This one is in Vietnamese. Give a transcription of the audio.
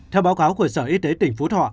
theo báo cáo của sở y tế tỉnh phú thọ